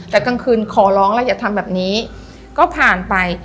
แต่กลางคืนขอร้องแล้วอย่าทำแบบนี้ก็ผ่านไป